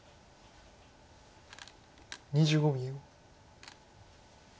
２５秒。